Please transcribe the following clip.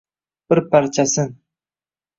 Bir parchasin